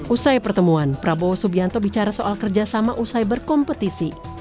usai pertemuan prabowo subianto bicara soal kerjasama usai berkompetisi